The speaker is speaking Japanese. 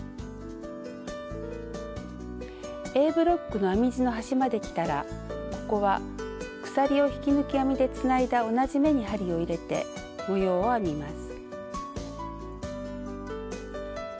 Ａブロックの編み地の端まできたらここは鎖を引き抜き編みでつないだ同じ目に針を入れて模様を編みます。